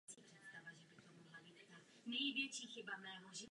Jihlavský jazykový ostrov.